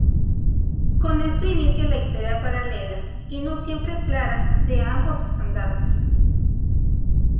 Con esto inicia la historia paralela y no siempre clara de ambos estandartes.